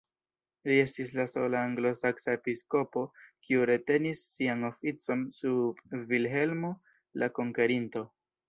Li estis la sola anglosaksa episkopo kiu retenis sian oficon sub Vilhelmo la Konkerinto.